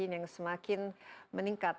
yang semakin meningkat